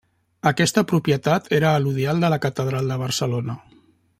Aquesta propietat era alodial de la catedral de Barcelona.